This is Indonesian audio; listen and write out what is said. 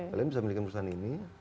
kalian bisa memiliki perusahaan ini